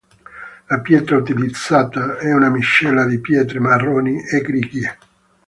La pietra utilizzata è una miscela di pietre marroni e grigie.